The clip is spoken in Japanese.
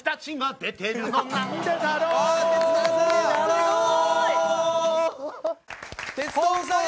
「すごい！」